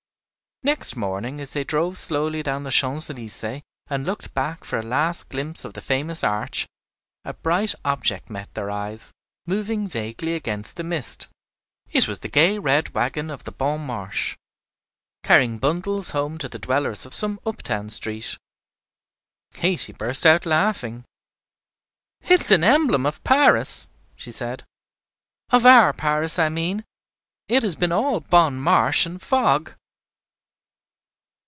Next morning as they drove slowly down the Champs Élysées, and looked back for a last glimpse of the famous Arch, a bright object met their eyes, moving vaguely against the mist. It was the gay red wagon of the Bon Marché, carrying bundles home to the dwellers of some up town street. Katy burst out laughing. "It is an emblem of Paris," she said, "of our Paris, I mean. It has been all Bon Marché and fog!"